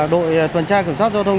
đội tuần tra kiểm soát giao thông